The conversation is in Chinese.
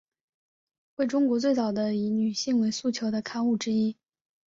为中国最早的以女性为诉求的刊物之一。